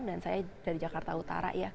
saya dari jakarta utara ya